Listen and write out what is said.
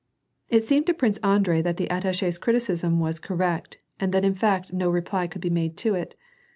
It seemed to Prince Andrei that the attache's criticism ▼as correct and that in fact no reply could be made to it.